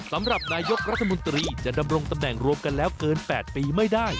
สำหรับนายกรัฐมนตรีจะดำรงตำแหน่งรวมกันแล้วเกิน๘ปีไม่ได้